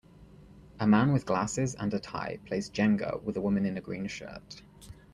A man with glasses and a tie plays Jenga with a woman in a green shirt.